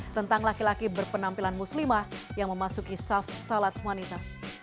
tentang laki laki berpenampilan muslimah yang memasuki saf salat wanita